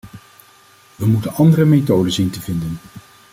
We moeten andere methoden zien te vinden.